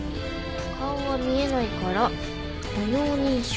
顔は見えないから歩容認証。